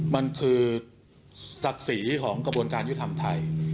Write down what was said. มันคือศักดิ์ศรีของกระบวนการยุทธรรมไทย